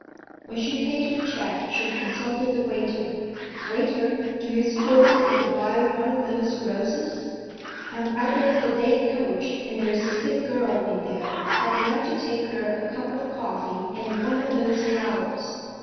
When she paid her check she consulted the waiter. "Waiter, do you suppose I could buy one of those roses? I'm out of the day coach, and there is a sick girl in there. I'd like to take her a cup of coffee and one of those flowers."